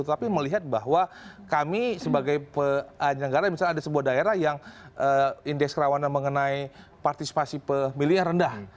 tapi melihat bahwa kami sebagai penyelenggara misalnya ada sebuah daerah yang indeks kerawanan mengenai partisipasi pemilihnya rendah